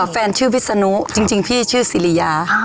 แฟนชื่อวิศนุจริงพี่ชื่อสิริยา